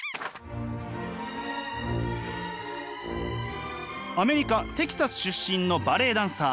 アメリカ・テキサス出身のバレエダンサー鈴木里佳子さん。